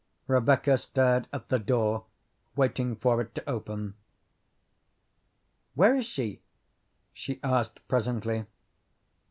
Rebecca stared at the door, waiting for it to open. "Where is she?" she asked presently.